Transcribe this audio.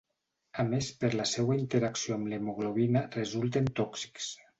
A més per la seua interacció amb l'hemoglobina resulten tòxics.